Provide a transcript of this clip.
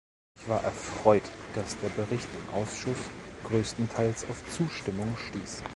Ich war erfreut, dass der Bericht im Ausschuss größtenteils auf Zustimmung stieß.